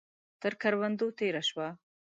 تر کروندو تېره شوه.